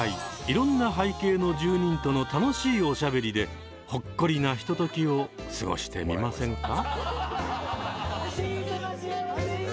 いろんな背景の住人との楽しいおしゃべりでほっこりなひとときを過ごしてみませんか？